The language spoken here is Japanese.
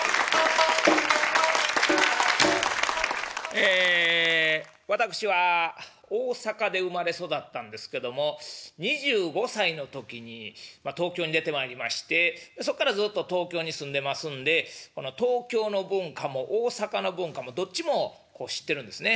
ええ私は大阪で生まれ育ったんですけども２５歳の時に東京に出てまいりましてそっからずっと東京に住んでますんで東京の文化も大阪の文化もどっちも知ってるんですね。